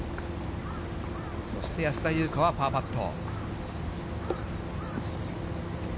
そして安田祐香はパーパット。